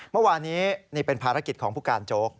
เมื่อวานนี้นี่เป็นภารกิจของผู้การโจ๊ก